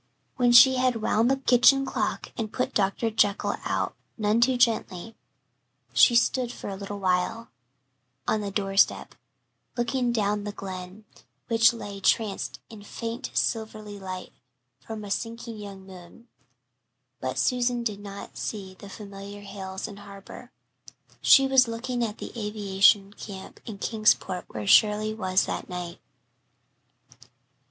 When she had wound the kitchen clock and put Dr. Jekyll out, none too gently, she stood for a little while on the doorstep, looking down the Glen, which lay tranced in faint, silvery light from a sinking young moon. But Susan did not see the familiar hills and harbour. She was looking at the aviation camp in Kingsport where Shirley was that night.